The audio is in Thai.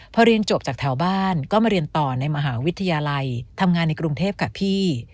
พอเรียนจบจากแถวบ้านก็มาเรียนต่อในมหาวิทยาลัยทำงานในกรุงเทพค่ะพี่